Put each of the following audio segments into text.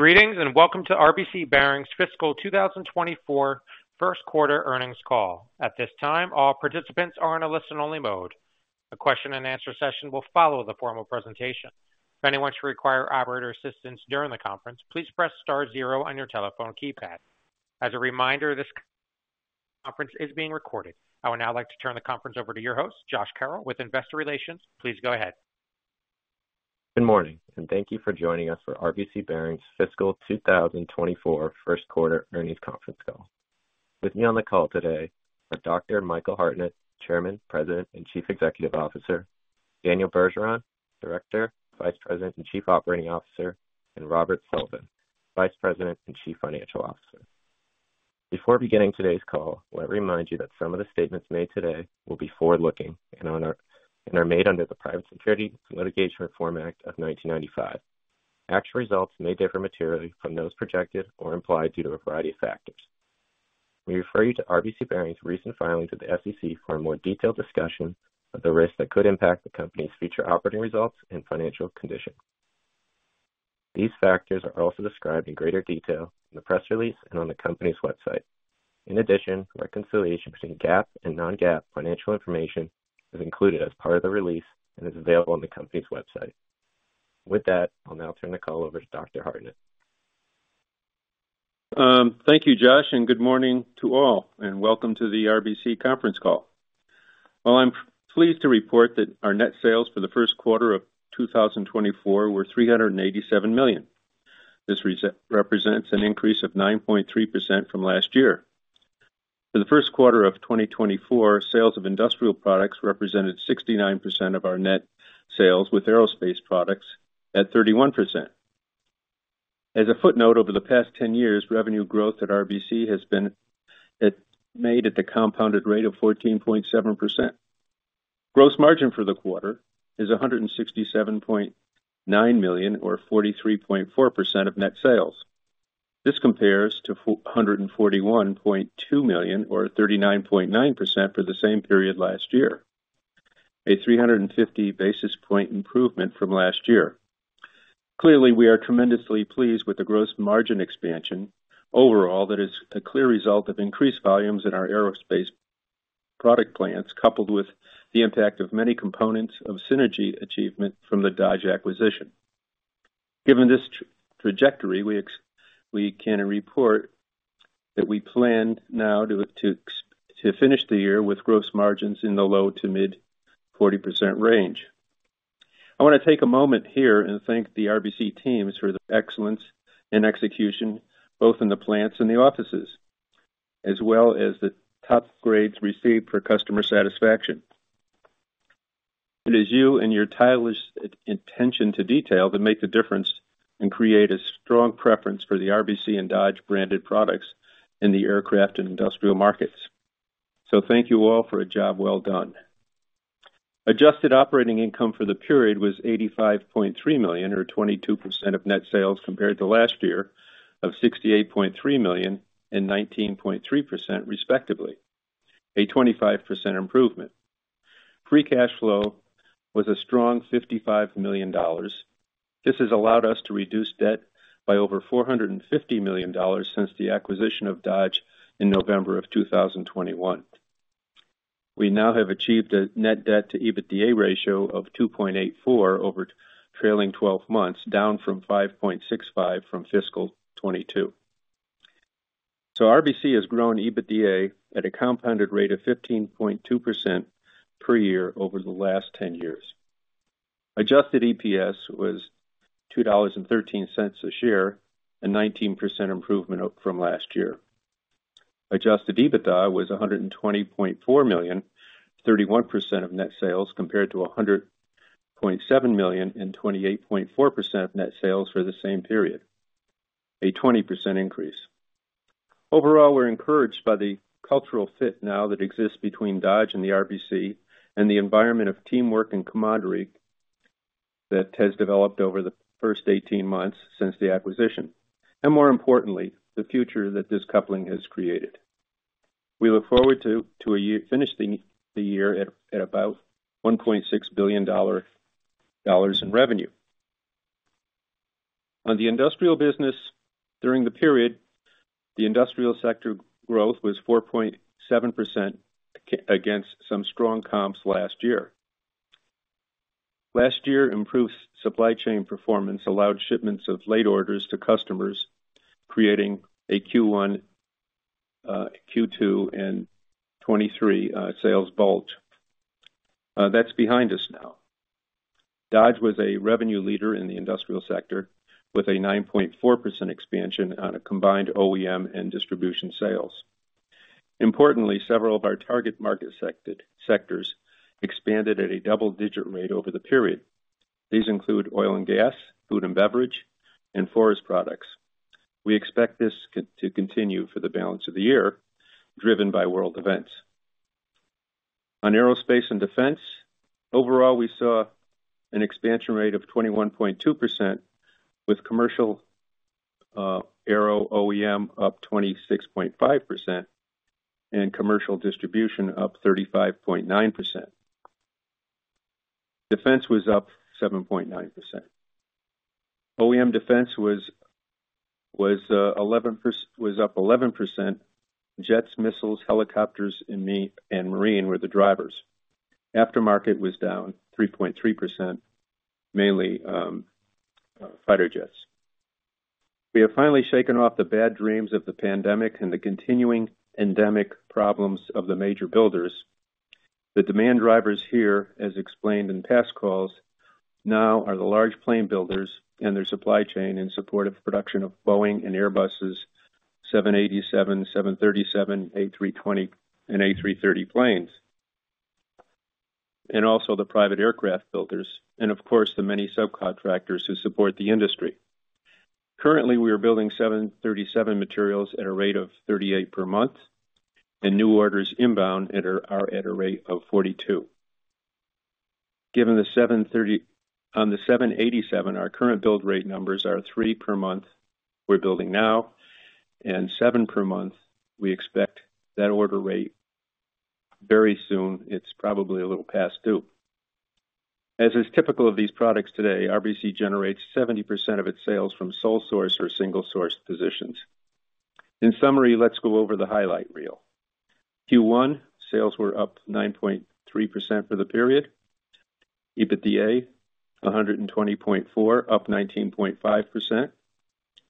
Greetings, welcome to RBC Bearings Fiscal 2024 first quarter earnings call. At this time, all participants are in a listen-only mode. A question and answer session will follow the formal presentation. If anyone should require operator assistance during the conference, please press star 0 on your telephone keypad. As a reminder, this conference is being recorded. I would now like to turn the conference over to your host, Josh Carroll, with Investor Relations. Please go ahead. Good morning, and thank you for joining us for RBC Bearings fiscal 2024 first quarter earnings conference call. With me on the call today are Dr. Michael Hartnett, Chairman, President, and Chief Executive Officer, Daniel Bergeron, Director, Vice President, and Chief Operating Officer, and Robert Sullivan, Vice President and Chief Financial Officer. Before beginning today's call, I want to remind you that some of the statements made today will be forward-looking and are made under the Private Securities Litigation Reform Act of 1995. Actual results may differ materially from those projected or implied due to a variety of factors. We refer you to RBC Bearings' recent filings with the SEC for a more detailed discussion of the risks that could impact the company's future operating results and financial condition. These factors are also described in greater detail in the press release and on the company's website. In addition, reconciliation between GAAP and non-GAAP financial information is included as part of the release and is available on the company's website. With that, I'll now turn the call over to Dr. Hartnett. Thank you, Josh, and good morning to all, and welcome to the RBC conference call. I'm pleased to report that our net sales for the first quarter of 2024 were $387 million. This represents an increase of 9.3% from last year. For the first quarter of 2024, sales of industrial products represented 69% of our net sales, with aerospace products at 31%. As a footnote, over the past 10 years, revenue growth at RBC has been made at the compounded rate of 14.7%. Gross margin for the quarter is $167.9 million, or 43.4% of net sales. This compares to $441.2 million, or 39.9% for the same period last year, a 350 basis point improvement from last year. Clearly, we are tremendously pleased with the gross margin expansion. Overall, that is a clear result of increased volumes in our aerospace product plants, coupled with the impact of many components of synergy achievement from the Dodge acquisition. Given this trajectory, we can report that we plan now to finish the year with gross margins in the low to mid-40% range. I want to take a moment here and thank the RBC teams for the excellence and execution, both in the plants and the offices, as well as the top grades received for customer satisfaction. It is you and your tireless attention to detail that make the difference and create a strong preference for the RBC and Dodge branded products in the aircraft and industrial markets. Thank you all for a job well done. Adjusted operating income for the period was $85.3 million, or 22% of net sales, compared to last year of $68.3 million and 19.3%, respectively, a 25% improvement. Free cash flow was a strong $55 million. This has allowed us to reduce debt by over $450 million since the acquisition of Dodge in November 2021. We now have achieved a net debt to EBITDA ratio of 2.84 over trailing 12 months, down from 5.65 from fiscal 2022. RBC has grown EBITDA at a compounded rate of 15.2% per year over the last 10 years. Adjusted EPS was $2.13 a share, a 19% improvement from last year. Adjusted EBITDA was $120.4 million, 31% of net sales, compared to $100.7 million and 28.4% of net sales for the same period, a 20% increase. Overall, we're encouraged by the cultural fit now that exists between Dodge and RBC and the environment of teamwork and camaraderie that has developed over the first 18 months since the acquisition, and more importantly, the future that this coupling has created. We look forward to finishing the year at about $1.6 billion in revenue. On the industrial business during the period, the industrial sector growth was 4.7% against some strong comps last year. Last year, improved supply chain performance allowed shipments of late orders to customers, creating a Q1, Q2 and 2023 sales bolt. That's behind us now. Dodge was a revenue leader in the industrial sector with a 9.4% expansion on a combined OEM and distribution sales. Importantly, several of our target market sectors expanded at a double-digit rate over the period. These include oil and gas, food and beverage, and forest products. We expect this to continue for the balance of the year, driven by world events. On aerospace and defense, overall, we saw an expansion rate of 21.2%, with commercial aero OEM up 26.5% and commercial distribution up 35.9%... Defense was up 7.9%. OEM defense was up 11%. Jets, missiles, helicopters, and marine were the drivers. Aftermarket was down 3.3%, mainly fighter jets. We have finally shaken off the bad dreams of the pandemic and the continuing endemic problems of the major builders. The demand drivers here, as explained in past calls, now are the large plane builders and their supply chain in support of production of Boeing and Airbus' 787, 737, A320 and A330 planes, and also the private aircraft builders, and of course, the many subcontractors who support the industry. Currently, we are building 737 materials at a rate of 38 per month, and new orders inbound are at a rate of 42. Given the 787, our current build rate numbers are 3 per month we're building now, and 7 per month, we expect that order rate very soon. It's probably a little past due. As is typical of these products today, RBC generates 70% of its sales from sole source or single-source positions. In summary, let's go over the highlight reel. Q1 sales were up 9.3% for the period. EBITDA $120.4, up 19.5%.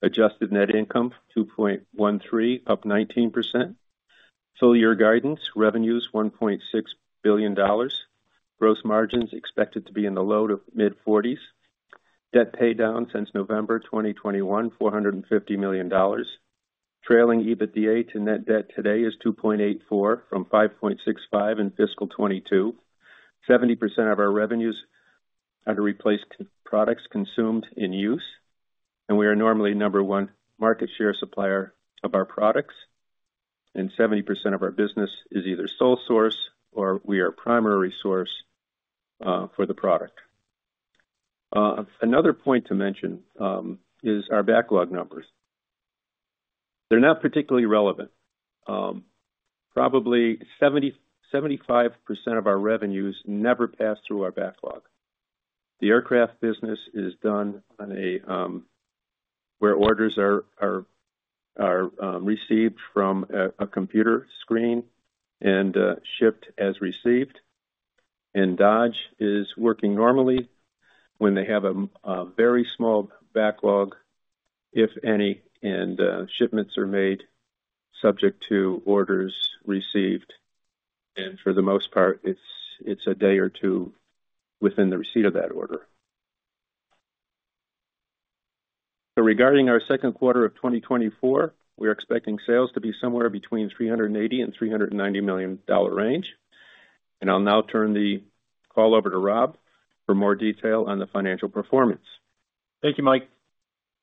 Adjusted net income $2.13, up 19%. Full year guidance, revenues $1.6 billion. Gross margins expected to be in the low-to-mid 40s. Debt paydown since November 2021, $450 million. Trailing EBITDA to net debt today is 2.84 from 5.65 in fiscal 2022. 70% of our revenues are to replace products consumed in use, and we are normally number one market share supplier of our products, and 70% of our business is either sole source or we are a primary source for the product. Another point to mention is our backlog numbers. They're not particularly relevant. Probably 70%-75% of our revenues never pass through our backlog. The aircraft business is done on a where orders are, are, are received from a computer screen and shipped as received. Dodge is working normally when they have a very small backlog, if any, and shipments are made subject to orders received, and for the most part, it's, it's a day or two within the receipt of that order. Regarding our second quarter of 2024, we are expecting sales to be somewhere between $380 million and $390 million dollar range. I'll now turn the call over to Rob for more detail on the financial performance. Thank you, Mike.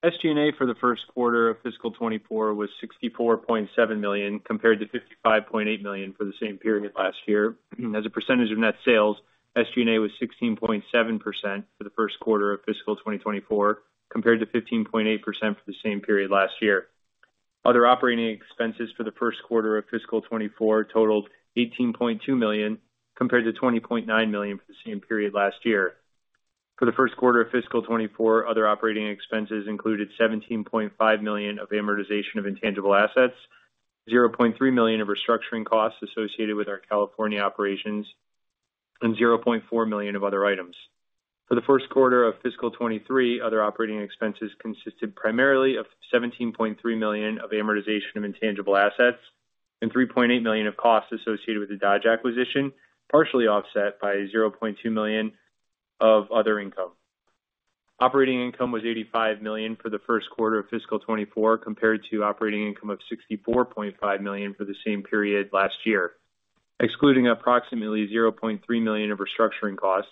SG&A for the first quarter of fiscal 2024 was $64.7 million, compared to $55.8 million for the same period last year. As a percentage of net sales, SG&A was 16.7% for the first quarter of fiscal 2024, compared to 15.8% for the same period last year. Other operating expenses for the first quarter of fiscal 2024 totaled $18.2 million, compared to $20.9 million for the same period last year. For the first quarter of fiscal 2024, other operating expenses included $17.5 million of amortization of intangible assets, $0.3 million of restructuring costs associated with our California operations, and $0.4 million of other items. For the first quarter of fiscal 2023, other operating expenses consisted primarily of $17.3 million of amortization of intangible assets and $3.8 million of costs associated with the Dodge acquisition, partially offset by $0.2 million of other income. Operating income was $85 million for the first quarter of fiscal 2024, compared to operating income of $64.5 million for the same period last year. Excluding approximately $0.3 million of restructuring costs,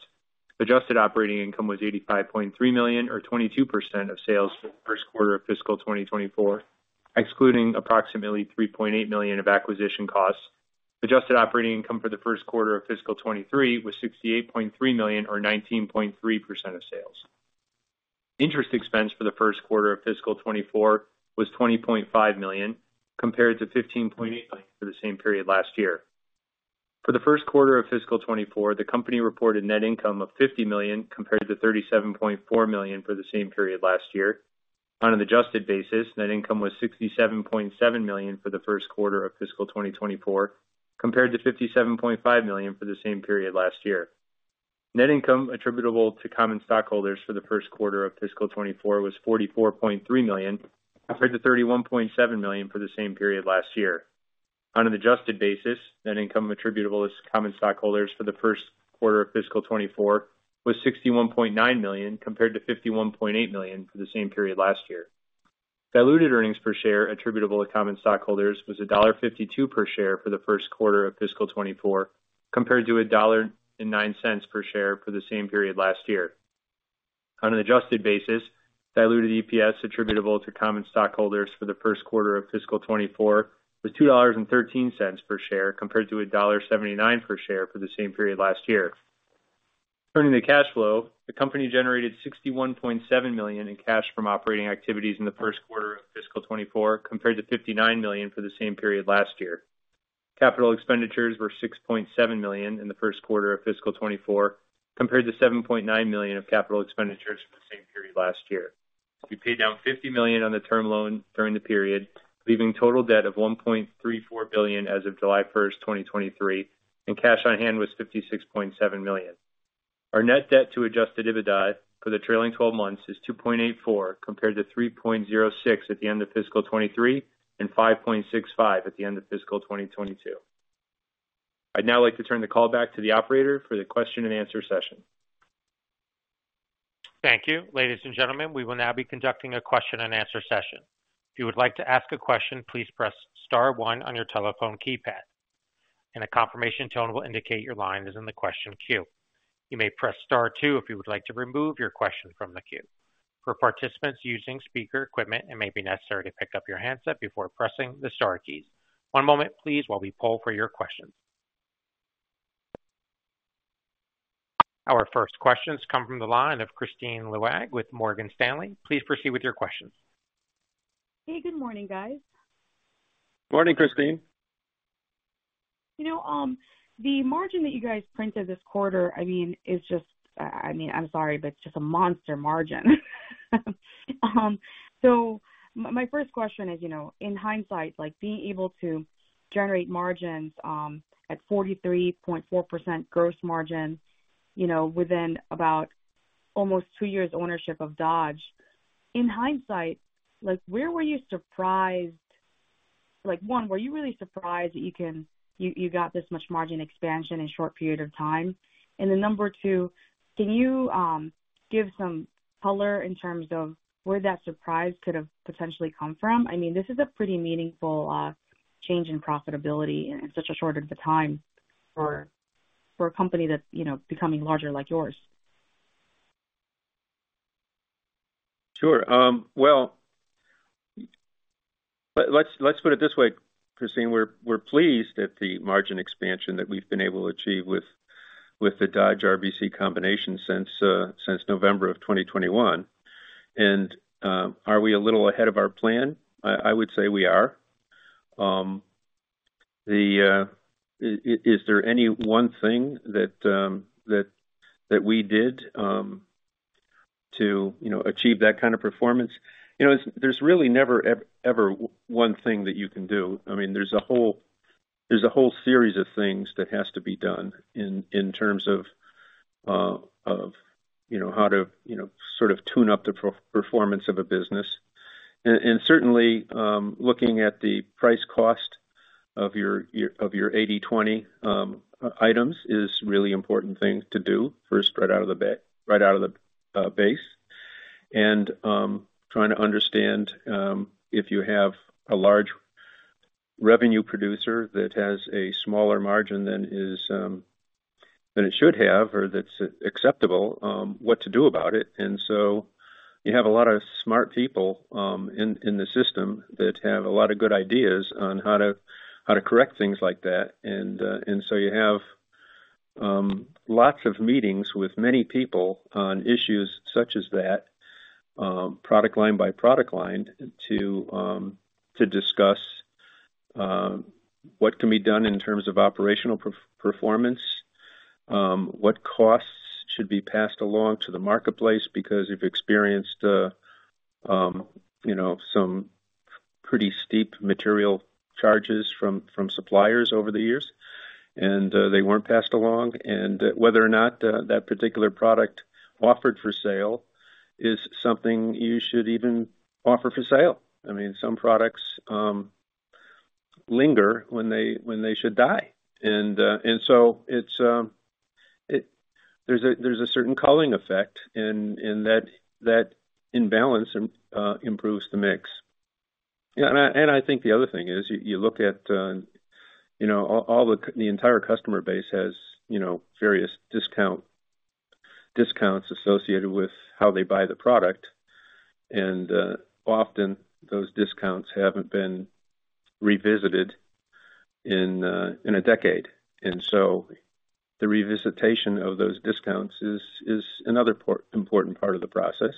adjusted operating income was $85.3 million or 22% of sales for the first quarter of fiscal 2024, excluding approximately $3.8 million of acquisition costs. Adjusted operating income for the first quarter of fiscal 2023 was $68.3 million, or 19.3% of sales. Interest expense for the first quarter of fiscal '24 was $20.5 million, compared to $15.8 million for the same period last year. For the first quarter of fiscal '24, the company reported net income of $50 million, compared to $37.4 million for the same period last year. On an adjusted basis, net income was $67.7 million for the first quarter of fiscal 2024, compared to $57.5 million for the same period last year. Net income attributable to common stockholders for the first quarter of fiscal '24 was $44.3 million, compared to $31.7 million for the same period last year. On an adjusted basis, net income attributable as common stockholders for the first quarter of fiscal '24 was $61.9 million, compared to $51.8 million for the same period last year. Diluted earnings per share attributable to common stockholders was $1.52 per share for the first quarter of fiscal 2024, compared to $1.09 per share for the same period last year. On an adjusted basis, diluted EPS attributable to common stockholders for the first quarter of fiscal 2024 was $2.13 per share, compared to $1.79 per share for the same period last year. Turning to cash flow, the company generated $61.7 million in cash from operating activities in the first quarter of fiscal 2024, compared to $59 million for the same period last year. Capital expenditures were $6.7 million in the first quarter of fiscal 2024, compared to $7.9 million of capital expenditures for the same period last year. We paid down $50 million on the term loan during the period, leaving total debt of $1.34 billion as of July 1, 2023, and cash on hand was $56.7 million. Our net debt to adjusted EBITDA for the trailing twelve months is 2.84, compared to 3.06 at the end of fiscal 2023 and 5.65 at the end of fiscal 2022. I'd now like to turn the call back to the operator for the question and answer session. Thank you. Ladies and gentlemen, we will now be conducting a question-and-answer session. If you would like to ask a question, please press star one on your telephone keypad, and a confirmation tone will indicate your line is in the question queue. You may press Star two if you would like to remove your question from the queue. For participants using speaker equipment, it may be necessary to pick up your handset before pressing the star keys. One moment, please, while we poll for your questions. Our first questions come from the line of Kristine Liwag with Morgan Stanley. Please proceed with your question. Hey, good morning, guys. Morning, Kristine. You know, the margin that you guys printed this quarter, I mean, is just, I mean, I'm sorry, but it's just a monster margin. My, my first question is, you know, in hindsight, like, being able to generate margins, at 43.4% gross margin, you know, within about almost 2 years ownership of Dodge, in hindsight, like, where were you surprised? Like, one, were you really surprised that you got this much margin expansion in a short period of time? Number two, can you give some color in terms of where that surprise could have potentially come from? I mean, this is a pretty meaningful change in profitability in such a short of a time for, for a company that's, you know, becoming larger like yours. Sure. Well, let, let's, let's put it this way, Kristine, we're, we're pleased at the margin expansion that we've been able to achieve with, with the Dodge RBC combination since November of 2021. Are we a little ahead of our plan? I, I would say we are. The, is there any one thing that, that, that we did, to, you know, achieve that kind of performance? You know, there's, there's really never ever one thing that you can do. I mean, there's a whole, there's a whole series of things that has to be done in, in terms of, of, you know, how to, you know, sort of tune up the performance of a business. Certainly, looking at the price cost of your, your, of your 80/20 items is really important thing to do first, right out of the right out of the base. Trying to understand, if you have a large revenue producer that has a smaller margin than is, than it should have or that's acceptable, what to do about it. You have a lot of smart people, in, in the system that have a lot of good ideas on how to, how to correct things like that. So you have lots of meetings with many people on issues such as that, product line by product line, to discuss what can be done in terms of operational perf- performance, what costs should be passed along to the marketplace, because we've experienced, you know, some pretty steep material charges from, from suppliers over the years, and they weren't passed along. Whether or not that particular product offered for sale is something you should even offer for sale. I mean, some products linger when they, when they should die. So it's, it- there's a, there's a certain culling effect, and, and that, that imbalance, im- improves the mix. Yeah, I, and I think the other thing is, you, you look at, you know, all, all the entire customer base has, you know, various discount, discounts associated with how they buy the product. Often those discounts haven't been revisited in a decade. The revisitation of those discounts is, is another important part of the process.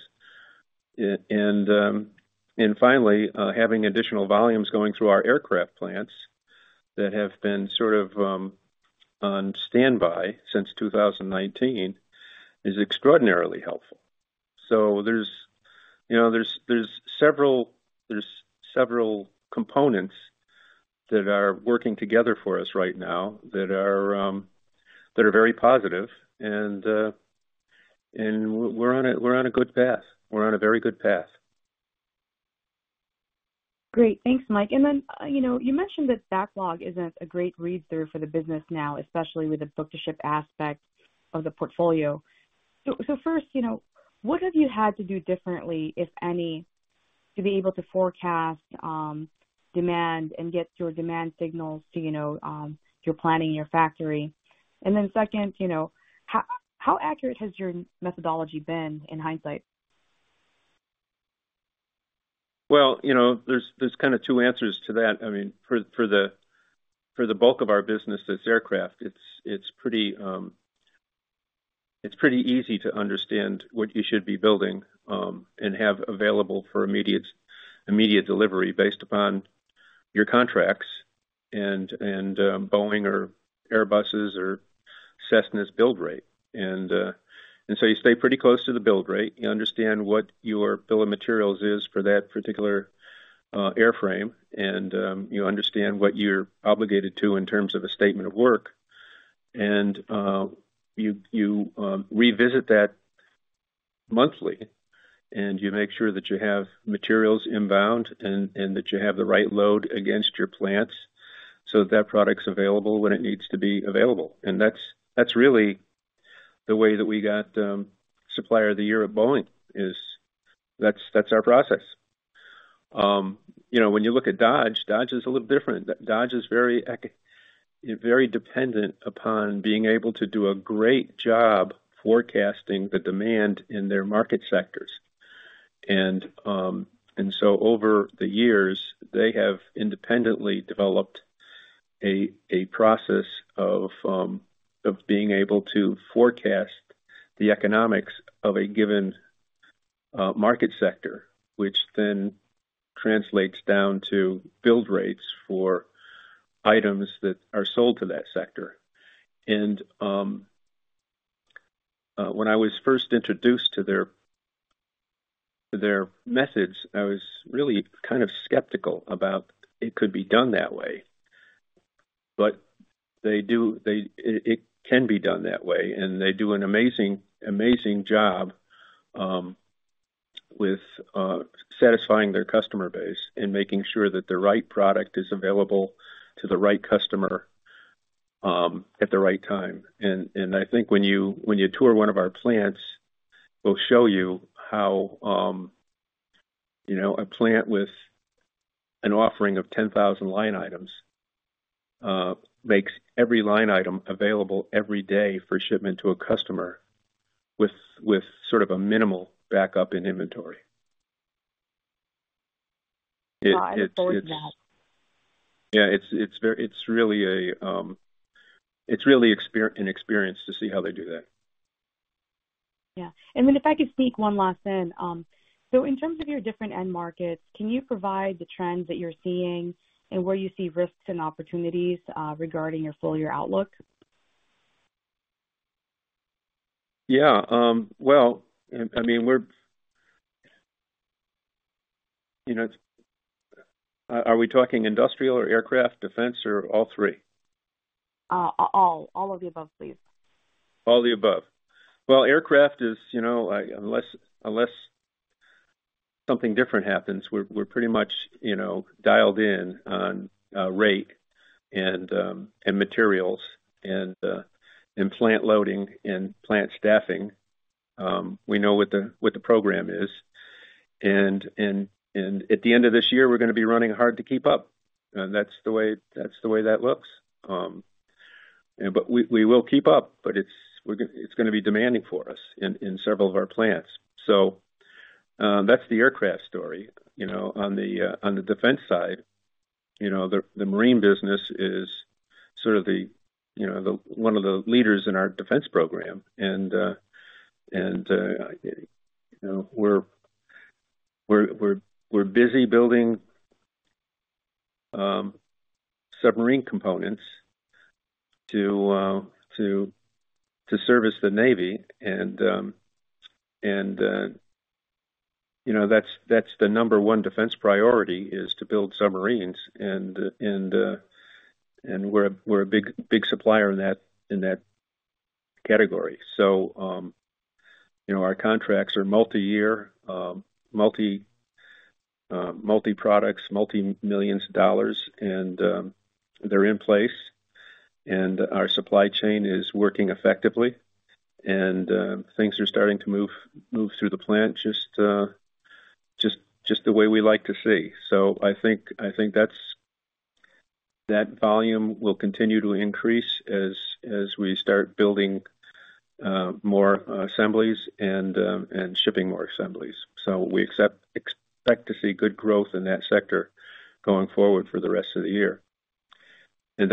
Finally, having additional volumes going through our aircraft plants that have been sort of on standby since 2019, is extraordinarily helpful. There's, you know, there's, there's several, there's several components that are working together for us right now that are very positive, and we're on a, we're on a good path. We're on a very good path. Great. Thanks, Mike. Then, you know, you mentioned that backlog isn't a great read-through for the business now, especially with the book-to-ship aspect of the portfolio. First, you know, what have you had to do differently, if any, to be able to forecast, demand and get your demand signals to, you know, your planning, your factory? Then second, you know, how, how accurate has your methodology been in hindsight? Well, you know, there's, there's kind of two answers to that. I mean, for, for the, for the bulk of our business, that's aircraft. It's, it's pretty easy to understand what you should be building, and have available for immediate, immediate delivery based upon your contracts and, and Boeing or Airbus's or Cessna's build rate. So you stay pretty close to the build rate. You understand what your bill of materials is for that particular airframe, and you understand what you're obligated to in terms of a statement of work. You, you revisit that monthly, and you make sure that you have materials inbound and, and that you have the right load against your plants so that product's available when it needs to be available. That's, that's really the way that we got, Supplier of the Year at Boeing, is that's, that's our process. You know, when you look at Dodge, Dodge is a little different. Dodge is very dependent upon being able to do a great job forecasting the demand in their market sectors. Over the years, they have independently developed a, a process of being able to forecast the economics of a given market sector, which then translates down to build rates for items that are sold to that sector. When I was first introduced to their, their methods, I was really kind of skeptical about it could be done that way, but it can be done that way, and they do an amazing, amazing job with satisfying their customer base and making sure that the right product is available to the right customer at the right time. I think when you, when you tour one of our plants, we'll show you how, you know, a plant with an offering of 10,000 line items makes every line item available every day for shipment to a customer with, with sort of a minimal backup in inventory. It's, it's- I look forward to that. Yeah, it's really an experience to see how they do that. Yeah. Then if I could sneak one last in, in terms of your different end markets, can you provide the trends that you're seeing and where you see risks and opportunities regarding your full year outlook? Yeah. Well, I, I mean, we're, you know, it's. Are, are we talking industrial or aircraft, defense, or all three? All of the above, please. All the above. Well, aircraft is, you know, unless, unless something different happens, we're, we're pretty much, you know, dialed in on rate and materials and plant loading and plant staffing. We know what the, what the program is, and, and, and at the end of this year, we're gonna be running hard to keep up. That's the way, that's the way that looks. We, we will keep up, but it's, we're gonna-- it's gonna be demanding for us in, in several of our plants. That's the aircraft story. You know, on the defense side, you know, the marine business is sort of the, you know, one of the leaders in our defense program, and you know, we're busy building submarine components to service the Navy. You know, that's the number one defense priority, is to build submarines. We're a big, big supplier in that, in that category. You know, our contracts are multiyear, multiproducts, multimillions of dollars, and they're in place, and our supply chain is working effectively, and things are starting to move, move through the plant just the way we like to see. I think, I think that's, that volume will continue to increase as, as we start building more assemblies and shipping more assemblies. We expect to see good growth in that sector going forward for the rest of the year. On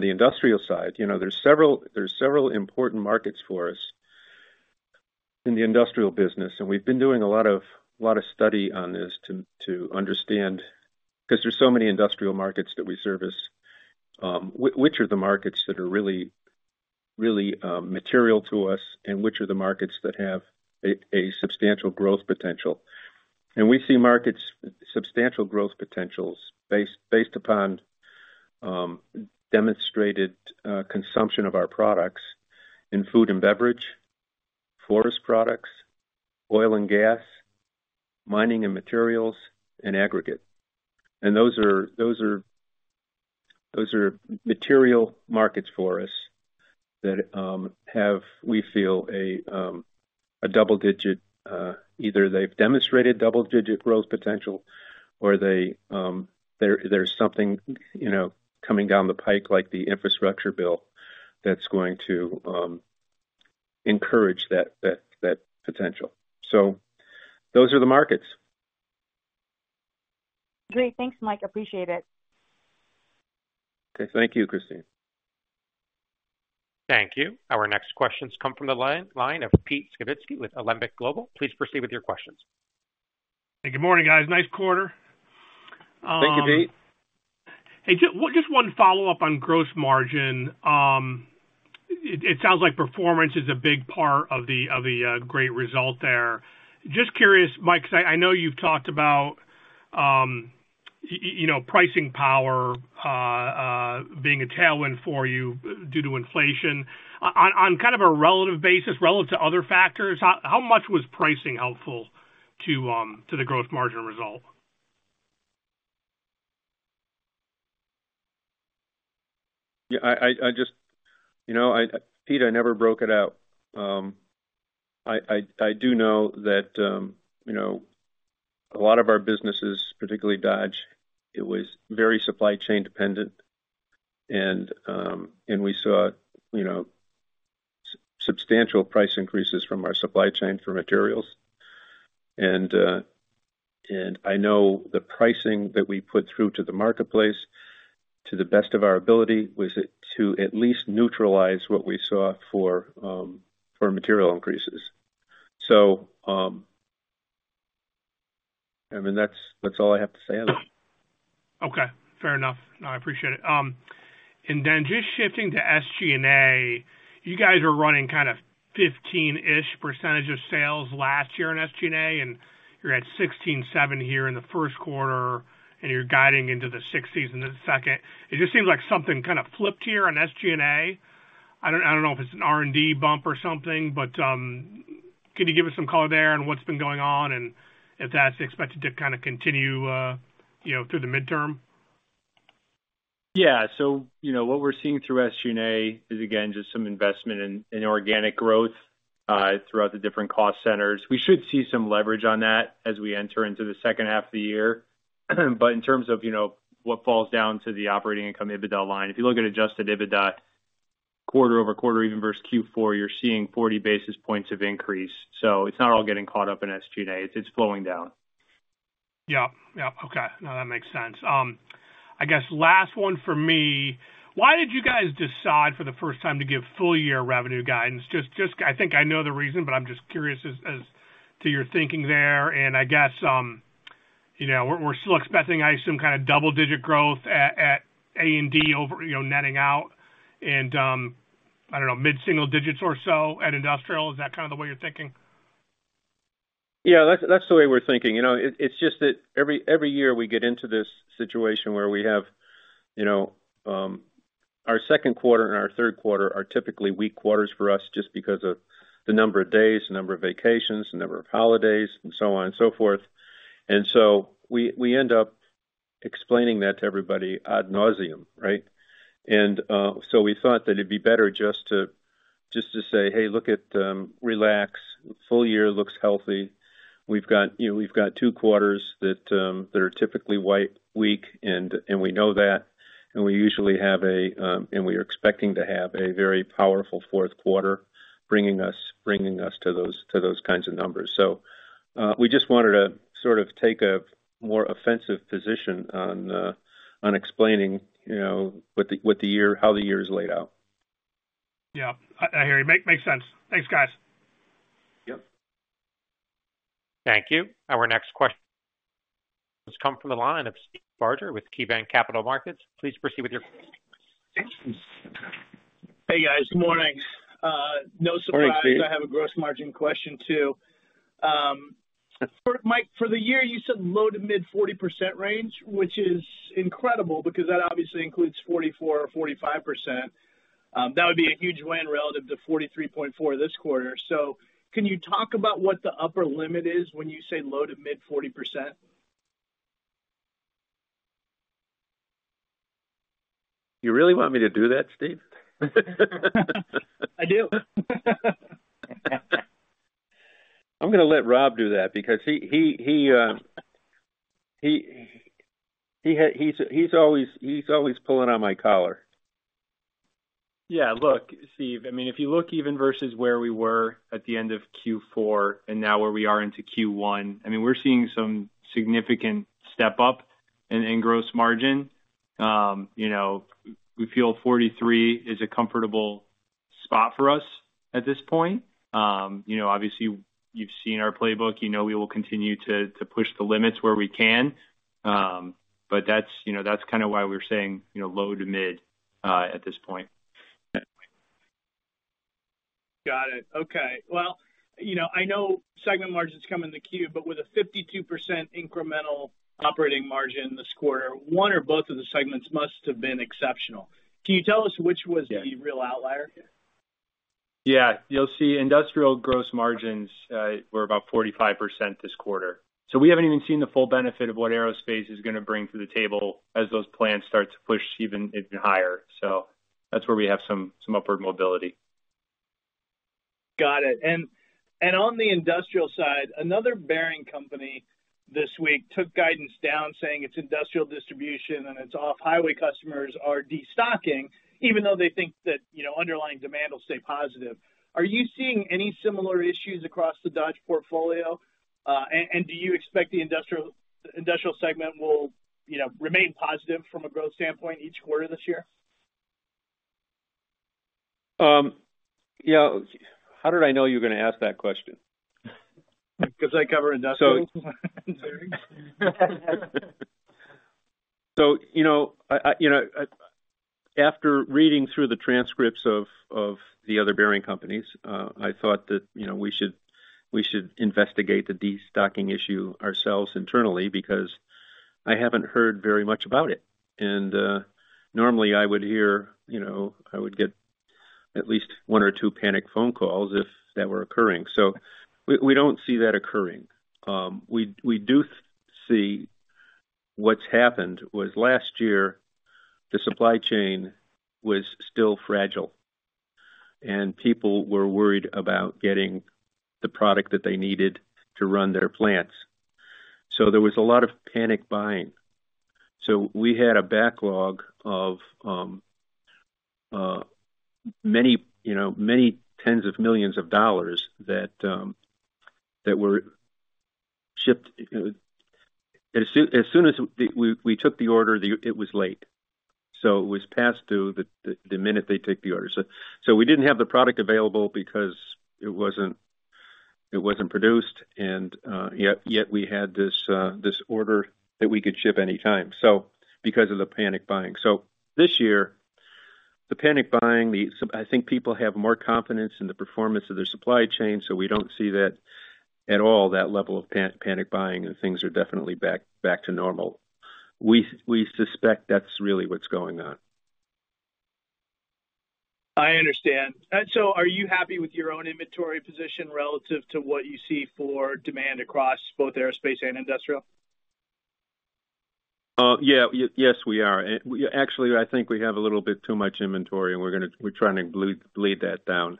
the industrial side, you know, there's several, there's several important markets for us in the industrial business, and we've been doing a lot of, lot of study on this to, to understand, 'cause there's so many industrial markets that we service, which are the markets that are really, really material to us and which are the markets that have a, a substantial growth potential. We see markets substantial growth potentials based, based upon demonstrated consumption of our products in food and beverage, forest products, oil and gas, mining and materials, and aggregate. Those are, those are, those are material markets for us that have, we feel, a double-digit, either they've demonstrated double-digit growth potential or they, there, there's something, you know, coming down the pike, like the infrastructure bill, that's going to encourage that, that, that potential. Those are the markets. Great. Thanks, Mike. Appreciate it. Okay. Thank you, Kristine. Thank you. Our next questions come from the line, line of Pete Skibitski with Alembic Global. Please proceed with your questions. Hey, good morning, guys. Nice quarter. Thank you, Pete. Hey, just one, just one follow-up on gross margin. It, it sounds like performance is a big part of the, of the great result there. Just curious, Mike, 'cause I, I know you've talked about, you know, pricing power, being a tailwind for you due to inflation. On, on kind of a relative basis, relative to other factors, how, how much was pricing helpful to the growth margin result? Yeah, I, I, I just... You know, I, Pete, I never broke it out. I, I, I do know that, you know, a lot of our businesses, particularly Dodge, it was very supply chain dependent. We saw, you know, substantial price increases from our supply chain for materials. I know the pricing that we put through to the marketplace, to the best of our ability, was to at least neutralize what we saw for material increases. I mean, that's, that's all I have to say on that. Okay, fair enough. No, I appreciate it. Just shifting to SG&A, you guys are running kind of 15-ish % of sales last year in SG&A, and you're at 16.7 here in the first quarter, and you're guiding into the 60s in the second. It just seems like something kind of flipped here on SG&A. I don't, I don't know if it's an R&D bump or something, but can you give us some color there on what's been going on and if that's expected to kind of continue, you know, through the midterm? Yeah. You know, what we're seeing through SG&A is, again, just some investment in, in organic growth throughout the different cost centers. We should see some leverage on that as we enter into the second half of the year. In terms of, you know, what falls down to the operating income EBITDA line, if you look at adjusted EBITDA, quarter-over-quarter, even versus Q4, you're seeing 40 basis points of increase, so it's not all getting caught up in SG&A. It's, it's flowing down. Yep. Yep. Okay. No, that makes sense. I guess last one for me: Why did you guys decide for the first time to give full-year revenue guidance? Just I think I know the reason, but I'm just curious as, as to your thinking there. I guess, you know, we're, we're still expecting, I assume, kind of double-digit growth at, at A&D over, you know, netting out and, I don't know, mid-single digits or so at industrial. Is that kind of the way you're thinking? Yeah, that's, that's the way we're thinking. You know, it, it's just that every, every year we get into this situation where we have, you know, our second quarter and our third quarter are typically weak quarters for us, just because of the number of days, the number of vacations, the number of holidays, and so on and so forth. So we, we end up explaining that to everybody ad nauseam, right? So we thought that it'd be better just to, just to say, "Hey, look at... Relax, full year looks healthy. We've got, you know, we've got two quarters that, that are typically weak, and, and we know that, and we usually have a, and we are expecting to have a very powerful fourth quarter, bringing us, bringing us to those, to those kinds of numbers. We just wanted to sort of take a more offensive position on, on explaining, you know, what the, what the year- how the year is laid out. Yeah. I, I hear you. Make, makes sense. Thanks, guys. Yep. Thank you. Our next question comes from the line of Steve Barger with KeyBanc Capital Markets. Please proceed with your questions. Hey, guys. Good morning. no surprise- Morning, Steve. I have a gross margin question, too. For Mike, for the year, you said low to mid 40% range, which is incredible because that obviously includes 44% or 45%. That would be a huge win relative to 43.4 this quarter. Can you talk about what the upper limit is when you say low to mid 40%? You really want me to do that, Steve? I do. I'm going to let Rob do that because he's always pulling on my collar. Yeah, look, Steve, I mean, if you look even versus where we were at the end of Q4 and now where we are into Q1, I mean, we're seeing some significant step up in, in gross margin. You know, we feel 43 is a comfortable spot for us at this point. You know, obviously, you've seen our playbook. You know we will continue to, to push the limits where we can. That's, you know, that's kind of why we're saying, you know, low to mid at this point. Got it. Okay. Well, you know, I know segment margins come in the queue, but with a 52% incremental operating margin this quarter, one or both of the segments must have been exceptional. Can you tell us which was- Yeah. the real outlier? Yeah. You'll see industrial gross margins were about 45% this quarter. We haven't even seen the full benefit of what aerospace is going to bring to the table as those plans start to push even, even higher. That's where we have some, some upward mobility. Got it. On the industrial side, another bearing company this week took guidance down, saying its industrial distribution and its off-highway customers are destocking, even though they think that, you know, underlying demand will stay positive. Are you seeing any similar issues across the Dodge portfolio? Do you expect the industrial segment will, you know, remain positive from a growth standpoint each quarter this year?... yeah, how did I know you were going to ask that question? Because I cover industrial. You know, I, I, you know, I, after reading through the transcripts of, of the other bearing companies, I thought that, you know, we should, we should investigate the destocking issue ourselves internally, because I haven't heard very much about it. Normally I would hear, you know, I would get at least one or two panic phone calls if that were occurring. We, we don't see that occurring. We, we do see what's happened was last year, the supply chain was still fragile and people were worried about getting the product that they needed to run their plants. There was a lot of panic buying. We had a backlog of, many, you know, many tens of millions of dollars that, that were shipped. As soon, as soon as we, we took the order, it was late. It was past due the minute they took the order. We didn't have the product available because it wasn't, it wasn't produced, and yet we had this order that we could ship anytime, so because of the panic buying. This year, the panic buying, I think people have more confidence in the performance of their supply chain, so we don't see that at all, that level of panic buying, and things are definitely back, back to normal. We suspect that's really what's going on. I understand. Are you happy with your own inventory position relative to what you see for demand across both aerospace and industrial? Yeah. Yes, we are. Actually, I think we have a little bit too much inventory, and we're trying to bleed that down.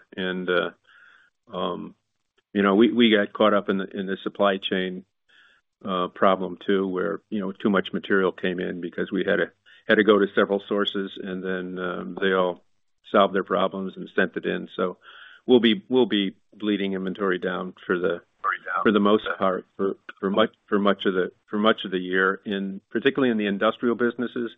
You know, we, we got caught up in the, in the supply chain problem, too, where, you know, too much material came in because we had to, had to go to several sources, and then they all solved their problems and sent it in. We'll be bleeding inventory down for the, for the most part, for, for much, for much of the, for much of the year, particularly in the industrial businesses.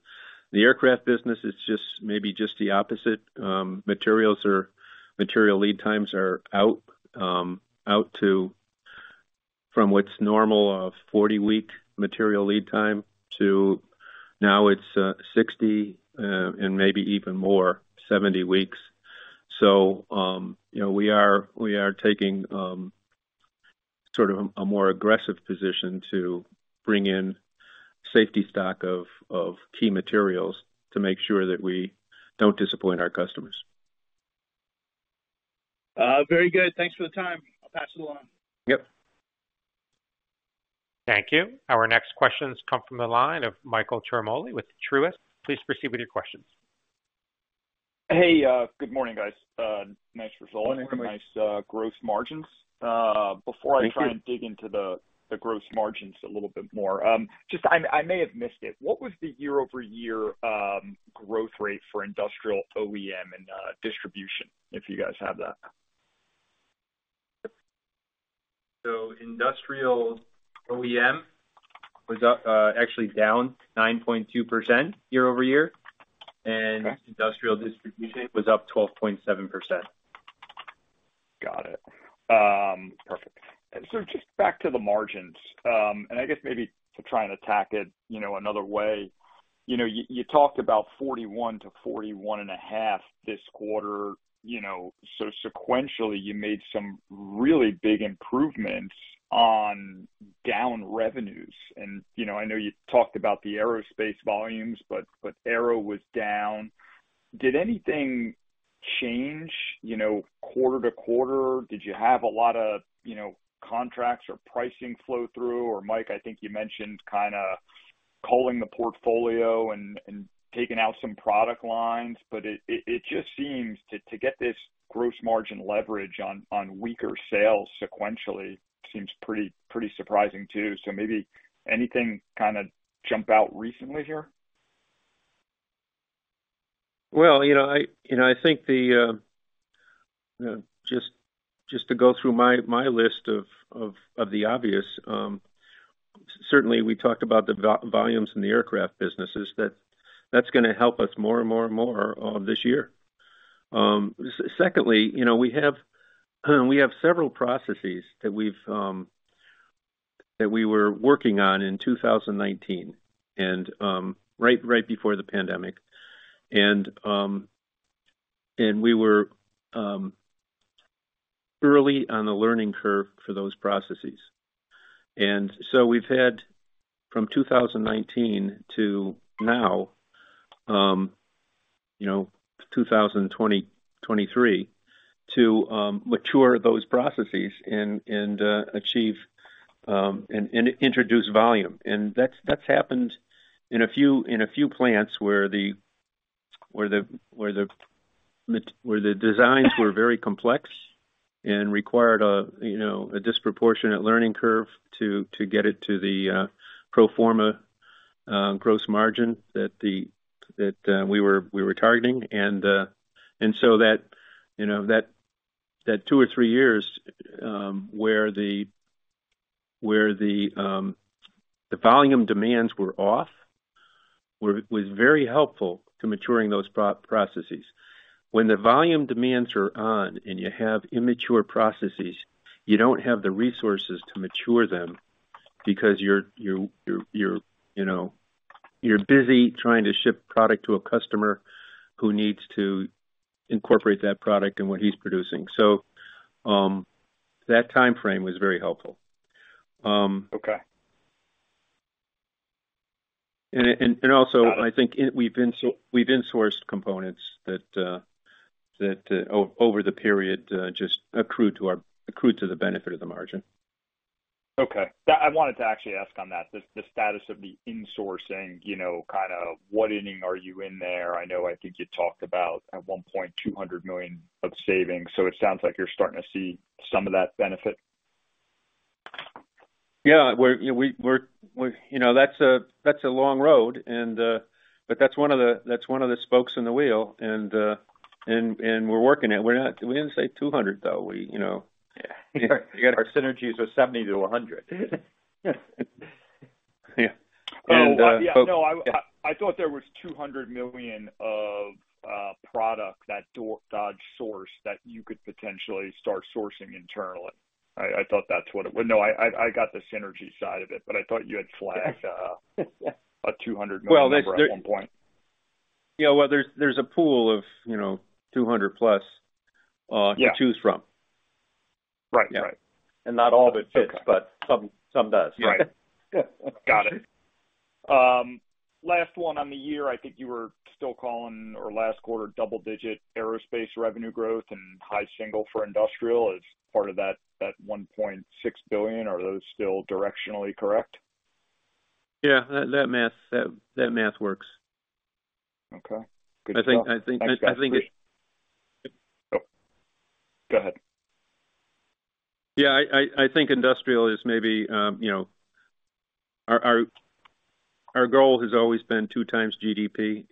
The aircraft business is just maybe just the opposite. Materials or material lead times are out, out to. From what's normal of 40-week material lead time to now it's 60, and maybe even more, 70 weeks. You know, we are, we are taking, sort of a more aggressive position to bring in safety stock of, of key materials to make sure that we don't disappoint our customers. Very good. Thanks for the time. I'll pass it along. Yep. Thank you. Our next questions come from the line of Michael Ciarmoli with Truist. Please proceed with your questions. Hey, good morning, guys. Nice results- Good morning. nice, gross margins. Thank you. Before I try and dig into the, the gross margins a little bit more, just I, I may have missed it: What was the year-over-year growth rate for industrial OEM and distribution, if you guys have that? Industrial OEM was up- actually down 9.2% year-over-year. Okay... industrial distribution was up 12.7%. Got it. Perfect. Just back to the margins. And I guess maybe to try and attack it, you know, another way. You know, you, you talked about 41%-41.5% this quarter, you know, sequentially, you made some really big improvements on down revenues. You know, I know you talked about the aerospace volumes, but, but aero was down. Did anything change, you know, quarter to quarter? Did you have a lot of, you know, contracts or pricing flow through? Or Mike, I think you mentioned kind of culling the portfolio and, and taking out some product lines. It, it just seems to, to get this gross margin leverage on, on weaker sales sequentially seems pretty, pretty surprising too. Maybe anything kind of jump out recently here? Well, you know, I, you know, I think the just, just to go through my, my list of, of, of the obvious. Certainly, we talked about the volumes in the aircraft businesses, that that's going to help us more and more and more this year. Secondly, you know, we have we have several processes that we've that we were working on in 2019, and right, right before the pandemic. We were early on the learning curve for those processes. So we've had from 2019 to now, you know, 2023, to mature those processes and, and achieve and, and introduce volume. That's, that's happened in a few, in a few plants where the, where the, where the designs were very complex and required a, you know, a disproportionate learning curve to, to get it to the pro forma gross margin that we were targeting. That, you know, that, that two or three years where the volume demands were off, where it was very helpful to maturing those processes. When the volume demands are on and you have immature processes, you don't have the resources to mature them because you're, you, you're, you're, you know, you're busy trying to ship product to a customer who needs to incorporate that product in what he's producing. That time frame was very helpful. Okay. Also, I think we've insourced components that, that, over the period, just accrued to the benefit of the margin. Okay. Yeah, I wanted to actually ask on that, the, the status of the insourcing, you know, kind of what inning are you in there? I know, I think you talked about at one point, $200 million of savings, so it sounds like you're starting to see some of that benefit. Yeah, we're, you know, we, we're, we. You know, that's a, that's a long road, and, but that's one of the, that's one of the spokes in the wheel, and, and we're working it. We're not, we didn't say 200, though. We, you know. Yeah. Our synergies were $70-$100. Yeah. Yeah, no, I, I thought there was $200 million of product that Dodge sourced that you could potentially start sourcing internally. I, I thought that's what it was. No, I, I, I got the synergy side of it, but I thought you had flagged a $200 million number at one point. Yeah, well, there's, there's a pool of, you know, 200 plus. Yeah to choose from. Right. Yeah. Right. Not all of it fits, but some does. Right. Got it. Last one on the year, I think you were still calling or last quarter, double-digit aerospace revenue growth and high single for industrial as part of that, that $1.6 billion. Are those still directionally correct? Yeah, that, that math, that, that math works. Okay. I think, I think, I think- Go ahead. Yeah, I think industrial is maybe, you know, Our goal has always been 2 times GDP.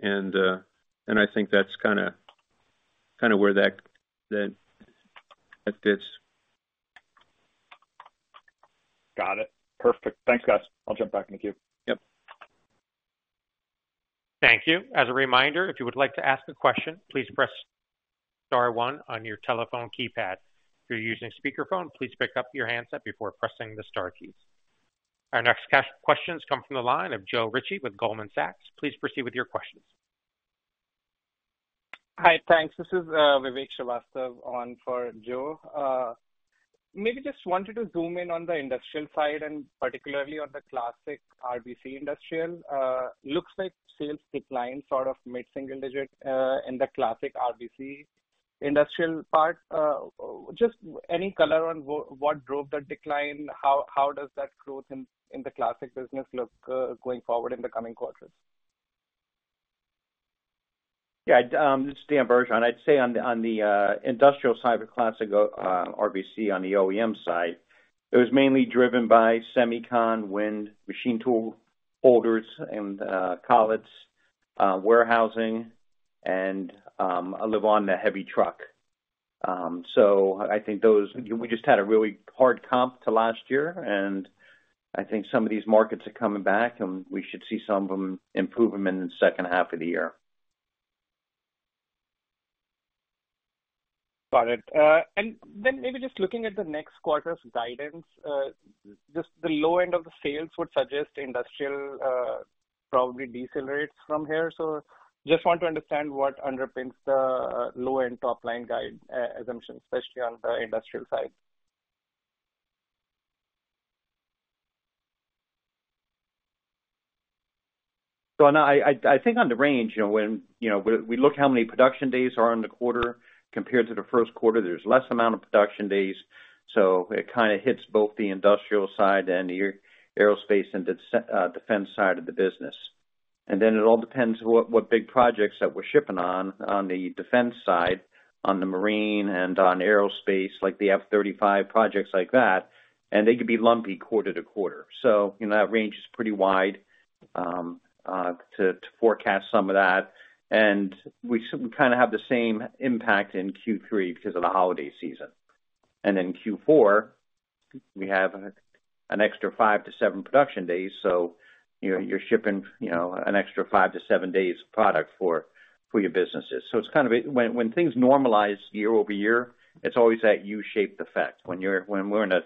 I think that's kind of where that fits. Got it. Perfect. Thanks, guys. I'll jump back in the queue. Yep. Thank you. As a reminder, if you would like to ask a question, please press star one on your telephone keypad. If you're using a speakerphone, please pick up your handset before pressing the star keys. Our next question comes from the line of Joe Ritchie with Goldman Sachs. Please proceed with your questions. Hi, thanks. This is Vivek Srivastava on for Joe. Maybe just wanted to zoom in on the industrial side and particularly on the classic RBC Industrial. Looks like sales declined, sort of mid-single digit, in the classic RBC Industrial part. Just any color on what drove that decline? How, how does that growth in, in the classic business look going forward in the coming quarters? Yeah, this is Dan Bergeron. I'd say on the, on the industrial side of the classic RBC, on the OEM side, it was mainly driven by semicon, wind, machine tool, holders, and collets, warehousing, and a little on the heavy truck. We just had a really hard comp to last year. I think some of these markets are coming back, and we should see some of them improve them in the second half of the year. Got it. Maybe just looking at the next quarter's guidance, just the low end of the sales would suggest industrial, probably decelerates from here. Just want to understand what underpins the low-end top-line guide, assumption, especially on the industrial side. I know I, I, I think on the range, you know, when, you know, we, we look how many production days are in the quarter compared to the first quarter, there's less amount of production days, so it kind of hits both the industrial side and the aerospace and defense side of the business. Then it all depends what, what big projects that we're shipping on, on the defense side, on the marine and on aerospace, like the F-35, projects like that, and they could be lumpy quarter to quarter. You know, that range is pretty wide to forecast some of that. We kind of have the same impact in Q3 because of the holiday season. Q4, we have an extra 5-7 production days, you know, you're shipping, you know, an extra 5-7 days of product for, for your businesses. It's kind of a. When things normalize year-over-year, it's always that U-shaped effect. When we're in a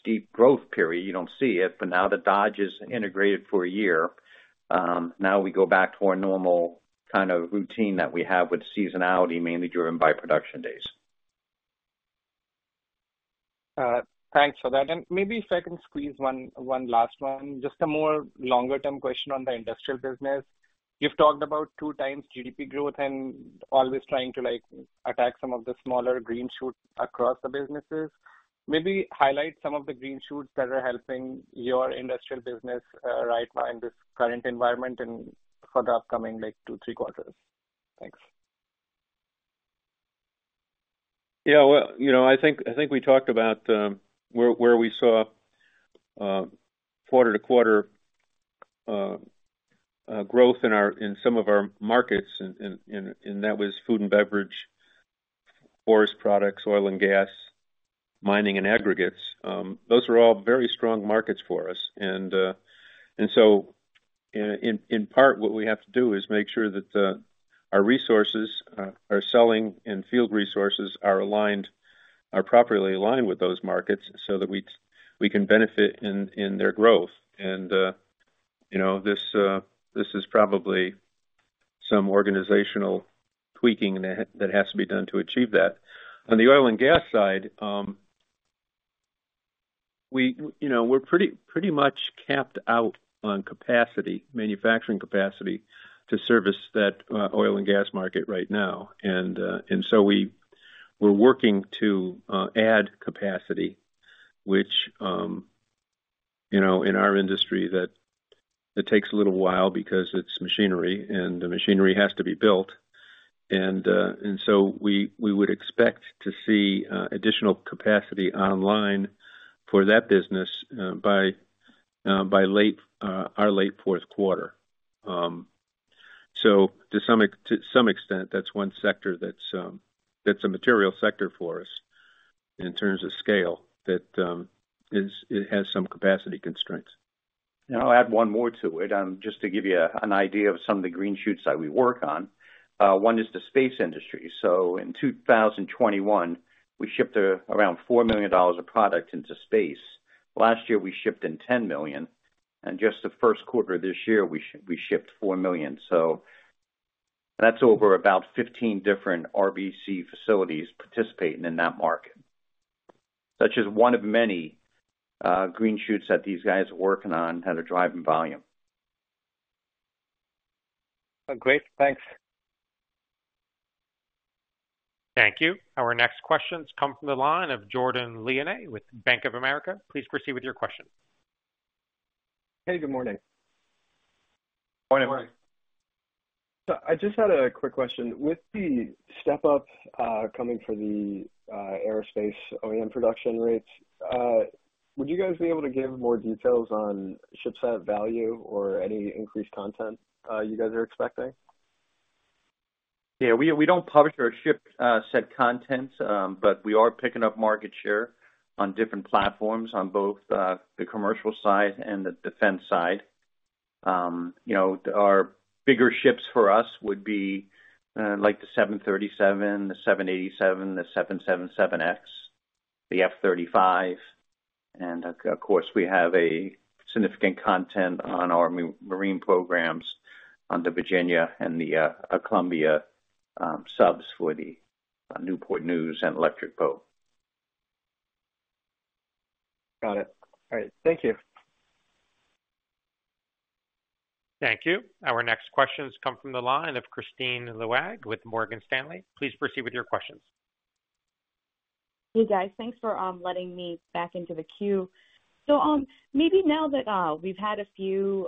steep growth period, you don't see it, but now that Dodge is integrated for a year, now we go back to our normal kind of routine that we have with seasonality, mainly driven by production days. Thanks for that. Maybe if I can squeeze one, one last one, just a more longer-term question on the industrial business. You've talked about two times GDP growth and always trying to, like, attack some of the smaller green shoots across the businesses. Maybe highlight some of the green shoots that are helping your industrial business right now in this current environment and for the upcoming, like, two, three quarters. Thanks. Yeah, well, you know, I think, I think we talked about, where, where we saw, quarter-to-quarter, growth in our, in some of our markets, and, and, and, and that was food and beverage.... forest products, oil and gas, mining and aggregates, those are all very strong markets for us. So in, in, in part, what we have to do is make sure that, our resources, our selling and field resources are properly aligned with those markets so that we, we can benefit in, in their growth. You know, this, this is probably some organizational tweaking that has to be done to achieve that. On the oil and gas side, we, you know, we're pretty, pretty much capped out on capacity, manufacturing capacity, to service that, oil and gas market right now. We, we're working to add capacity, which, you know, in our industry, that, it takes a little while because it's machinery, and the machinery has to be built. We, we would expect to see additional capacity online for that business by by late, our late fourth quarter. To some extent, that's one sector that's, that's a material sector for us in terms of scale, that, is, it has some capacity constraints. I'll add one more to it, just to give you an idea of some of the green shoots that we work on. One is the space industry. In 2021, we shipped around $4 million of product into space. Last year, we shipped in $10 million, and just the first quarter this year, we shipped $4 million. That's over about 15 different RBC facilities participating in that market. That's just one of many green shoots that these guys are working on that are driving volume. Great. Thanks. Thank you. Our next question comes from the line of Jordan Lyonnais with Bank of America. Please proceed with your question. Hey, good morning. Morning. Morning. I just had a quick question. With the step-up coming for the aerospace OEM production rates, would you guys be able to give more details on ship set value or any increased content you guys are expecting? Yeah, we, we don't publish our ship set contents, but we are picking up market share on different platforms on both the commercial side and the defense side. You know, our bigger ships for us would be like the 737, the 787, the 777X, the F-35, and of course, we have a significant content on our marine programs on the Virginia and the Columbia, subs for the Newport News and Electric Boat. Got it. All right. Thank you. Thank you. Our next question comes from the line of Kristine Liwag with Morgan Stanley. Please proceed with your questions. Hey, guys. Thanks for letting me back into the queue. Maybe now that we've had a few,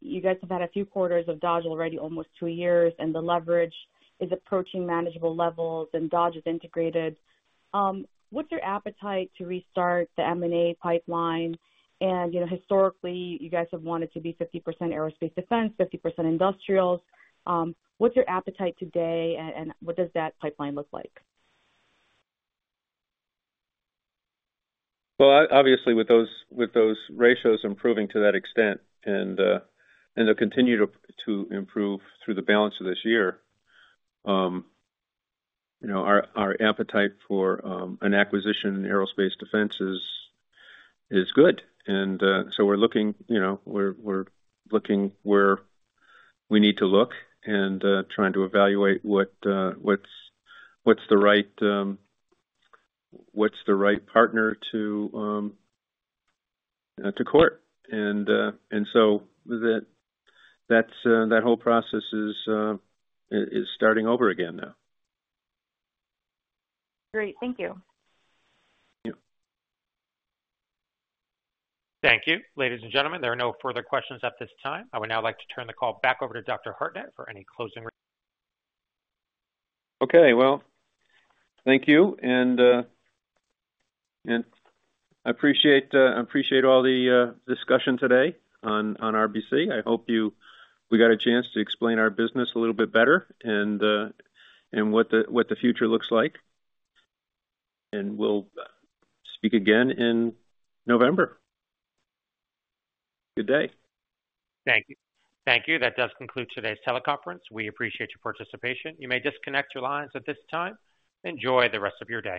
you guys have had a few quarters of Dodge already, almost 2 years, and the leverage is approaching manageable levels, and Dodge is integrated, what's your appetite to restart the M&A pipeline? You know, historically, you guys have wanted to be 50% aerospace defense, 50% industrials. What's your appetite today, and what does that pipeline look like? Well, obviously, with those, with those ratios improving to that extent, and they'll continue to improve through the balance of this year, you know, our appetite for an acquisition in aerospace defense is good. We're looking, you know, we're looking where we need to look and trying to evaluate what, what's, what's the right, what's the right partner to court. That, that's, that whole process is, is, is starting over again now. Great. Thank you. Yeah. Thank you. Ladies and gentlemen, there are no further questions at this time. I would now like to turn the call back over to Dr. Hartnett for any closing re- Okay, well, thank you, and I appreciate, I appreciate all the discussion today on RBC. I hope you... We got a chance to explain our business a little bit better and what the future looks like. We'll speak again in November. Good day. Thank you. Thank you. That does conclude today's teleconference. We appreciate your participation. You may disconnect your lines at this time. Enjoy the rest of your day.